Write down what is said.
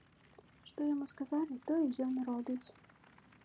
Што яму сказалі, тое ён робіць.